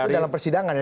itu dalam persidangan ya